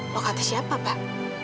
lo kata siapa pak